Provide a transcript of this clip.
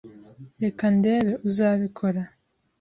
Reka ndebe, uzabikora?